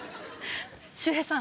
周平さん